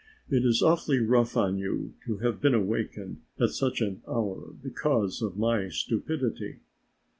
It is awfully rough on you to have been awakened at such an hour because of my stupidity."